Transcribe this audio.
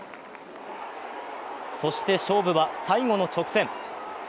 そして勝負は最後の直線。